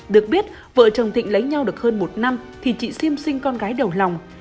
được biết vợ chồng thịnh lấy nhau được hơn một năm thì chị siêm sinh con gái đầu lòng